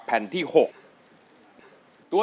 สู้ครับ